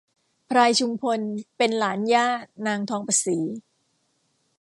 พลายชุมพลเป็นหลานย่านางทองประศรี